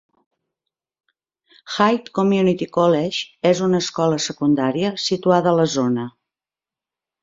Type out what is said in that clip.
Hyde Community College és una escola secundària situada a la zona.